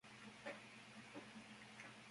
Almafuerte, Av.